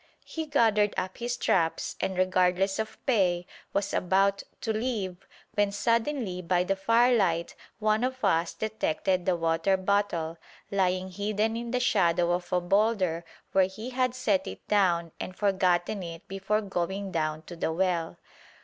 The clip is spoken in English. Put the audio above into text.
he gathered up his traps, and, regardless of pay, was about to leave when suddenly by the firelight one of us detected the water bottle, lying hidden in the shadow of a boulder where he had set it down and forgotten it before going down to the well.